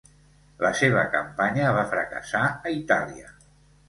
La seva campanya va fracassar a Itàlia.